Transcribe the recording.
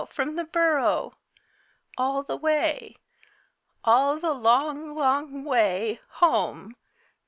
from the Borough! all the way! all the long, long way home!